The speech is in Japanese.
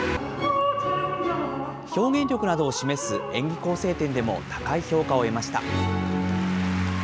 表現力などを示す演技構成点でも高い評価を得ました。